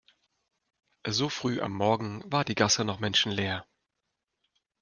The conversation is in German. So früh am Morgen war die Gasse noch menschenleer.